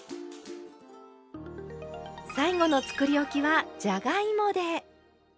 最後のつくりおきはじゃがいもで。